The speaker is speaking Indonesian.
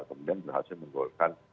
kemudian berhasil menggolokkan